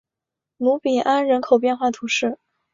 卢比安人口变化图示